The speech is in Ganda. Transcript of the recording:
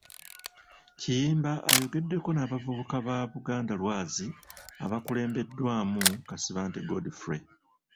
Kiyimba ayogedeko n'abavubuka ba ‘Buganda Lwazi,' abakulembeddwamu Kasibante Godfrey.